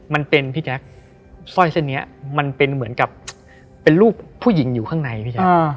มันเป็นพี่แจ๊คสร้อยเส้นนี้มันเป็นเหมือนกับเป็นรูปผู้หญิงอยู่ข้างในพี่แจ๊ค